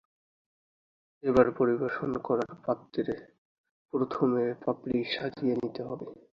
এ বার পরিবেশন করার পাত্রে প্রথমে পাপড়ি সাজিয়ে নিতে হবে।